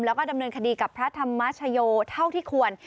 แล้วก็ดำเนินคดีกับพระธรรมชโยเท่าที่ควร